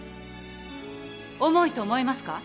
重いと思いますか？